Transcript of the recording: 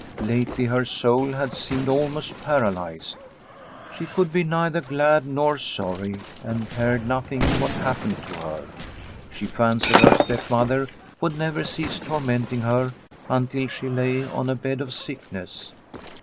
Lately her soul had seemed almost paralysed. She could be neither glad nor sorry, and cared nothing what happened to her. She fancied her stepmother would never cease tormenting her until she lay on a bed of sickness.